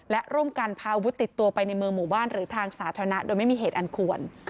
และร่วมกันพาอาวุธติดตัวไปในเมืองหมู่บ้านหรือทางสาธารณะโดยไม่มีเหตุอันควร